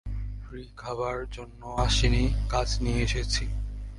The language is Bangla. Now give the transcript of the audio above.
ফ্রি খাবার জন্য আসিনি, কাজ নিয়ে এসেছি।